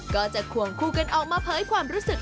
ก็จะควงคู่กันออกมาเผยความรู้สึก